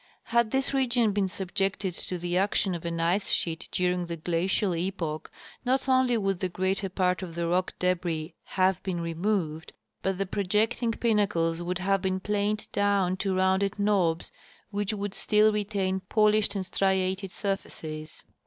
Had this region been subjected to the action of an ice sheet during the glacial epoch, not only would the greater part of the rock debris have been removed but the projecting pinnacles would have been planed down to rounded knobs which would still retain polished and striated surfaces.